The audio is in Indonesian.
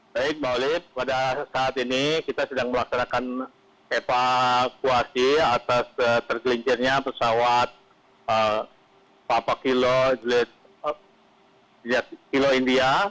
baik mbak olip pada saat ini kita sedang melaksanakan evakuasi atas tergelincirnya pesawat papa kilo jelit kilo india